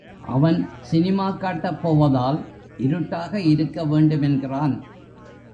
அவன் சினிமாக் காட்டப் போவதால் இருட்டாக இருக்க வேண்டுமென்கிறான்.